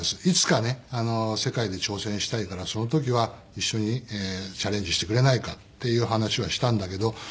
いつかね世界で挑戦したいからその時は一緒にチャレンジしてくれないかっていう話はしたんだけど。